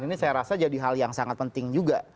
ini saya rasa jadi hal yang sangat penting juga